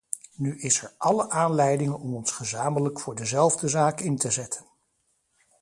Nu is er alle aanleiding om ons gezamenlijk voor dezelfde zaak in te zetten.